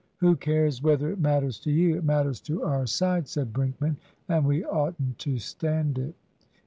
"Who cares whether it matters to you? It matters to our side," said Brinkman, "and we oughtn't to stand it."